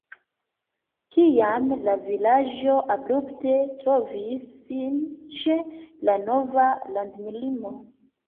Tiam la vilaĝo abrupte trovis sin ĉe la nova landlimo.